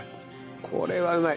これはうまい！